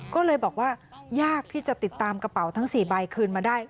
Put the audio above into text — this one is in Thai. ก็เลยบอกว่ายากที่จะติดตามกระเป๋าทั้ง๔ใบคืนมาได้